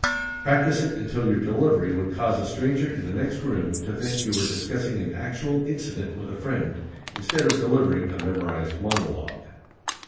Practise it until your delivery would cause a stranger in the next room to think you were discussing an actual incident with a friend, instead of delivering a memorized monologue.